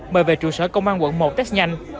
bởi về trụ sở công an quận một test nhanh